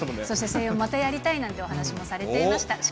そして声優、またやりたいなんてお話もされていました。